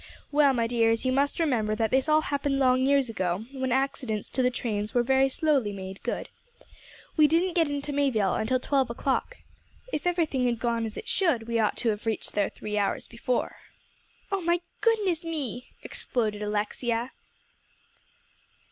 Well, my dears, you must remember that this all happened long years ago, when accidents to the trains were very slowly made good. We didn't get into Mayville until twelve o'clock. If everything had gone as it should, we ought to have reached there three hours before." "Oh my goodness me!" exploded Alexia.